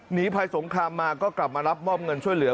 หนีภัยสงครามมาก็กลับมารับมอบเงินช่วยเหลือ